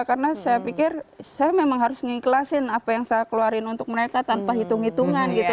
karena saya pikir saya memang harus mengikhlasin apa yang saya keluarin untuk mereka tanpa hitung hitungan gitu